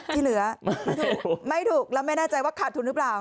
ที่เหลือไม่ถูกแล้วไม่แน่ใจว่าขาดทุนหรือเปล่า